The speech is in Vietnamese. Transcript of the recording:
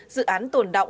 dự án tồn đau